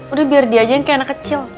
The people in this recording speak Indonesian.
udah biar dia aja yang kayak anak kecil